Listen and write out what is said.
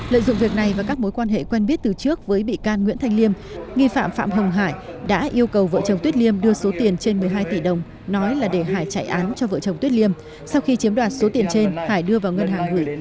lợi dụng việc này và các mối quan hệ quen biết từ trước với bị can nguyễn thanh liêm nghi phạm phạm hồng hải đã yêu cầu vợ chồng tuyết liêm đưa số tiền trên một mươi hai tỷ đồng nói là để hải chạy án cho vợ chồng tuyết liêm sau khi chiếm đoạt số tiền trên hải đưa vào ngân hàng gửi